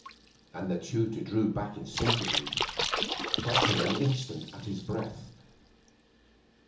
And the tutor drew back instinctively, catching an instant at his breath.